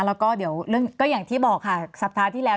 แล้วก็อย่างที่บอกค่ะสัปดาห์ที่แล้ว